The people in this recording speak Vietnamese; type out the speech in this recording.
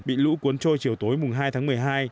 bị lũ cuốn trôi chiều tối mùng hai tháng một mươi hai